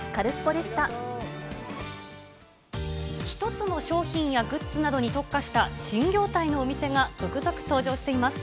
１つの商品やグッズなどに特化した新業態のお店が続々登場しています。